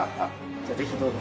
じゃあぜひどうぞ。